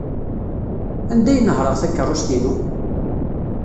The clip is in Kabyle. Anda ay nehhṛeɣ takeṛṛust-inu?